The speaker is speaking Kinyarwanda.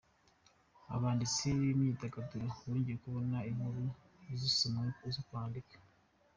Abanditsi b’imyidagaduro bongeye kubona inkuru zisomwa zo kwandika.